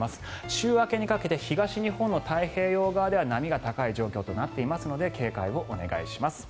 週明けにかけて東日本の太平洋側では波が高い状況となっていますので警戒をお願いします。